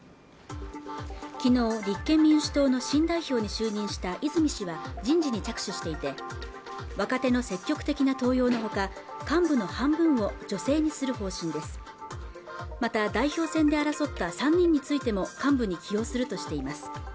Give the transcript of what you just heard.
きのう立憲民主党の新代表に就任した泉氏は人事に着手していて若手の積極的な登用のほか幹部の半分を女性にする方針ですまた代表選で争った３人についても幹部に起用するとしています